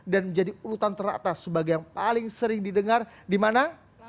dan menjadi urutan teratas sebagai yang paling sering didengar di mana